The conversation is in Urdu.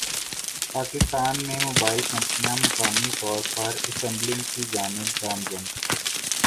پاکستان میں موبائل کمپنیاں مقامی طور پر اسمبلنگ کی جانب گامزن